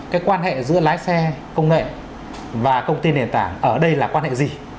cái quan hệ giữa lái xe công nghệ và công ty nền tảng ở đây là quan hệ gì